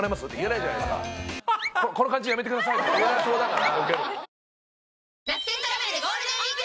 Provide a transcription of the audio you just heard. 「この感じやめてください」って言えなそうだから。